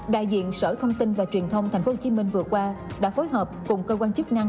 đại diện sở thông tin và truyền thông tp hcm vừa qua đã phối hợp cùng cơ quan chức năng